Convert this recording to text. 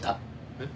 えっ？